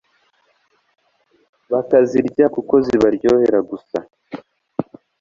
bakazirya kuko zibaryohera gusa